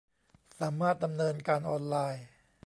สามารถดำเนินการออนไลน์